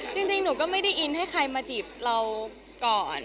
จริงหนูก็ไม่ได้อินให้ใครมาจีบเราก่อน